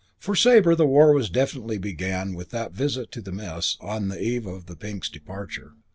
For Sabre the war definitely began with that visit to the Mess on the eve of the Pinks' departure.